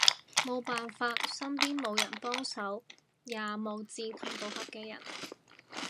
無辦法，身邊無人幫手，也無志同道合嘅人